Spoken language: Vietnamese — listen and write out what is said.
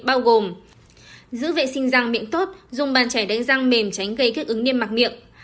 bao gồm giữ vệ sinh răng miệng tốt dùng bàn chảy đánh răng mềm tránh gây kết ứng niêm mặt miệng